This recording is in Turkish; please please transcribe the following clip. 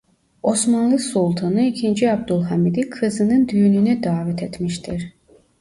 Osmanlı Sultanı ikinci Abdulhamid'i kızının düğününe davet etmiştir.